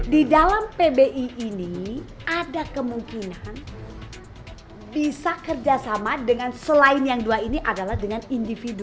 di dalam pbi ini ada kemungkinan bisa kerjasama dengan selain yang dua ini adalah dengan individu